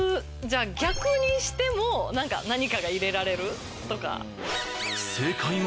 じゃあ逆にしても何かが入れられるとか。